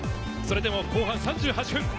それでも後半３８分。